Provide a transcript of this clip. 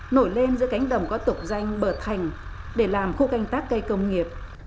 nổi lên giữa cánh đồng có tục danh bờ thành để làm khu canh tác cây công nghiệp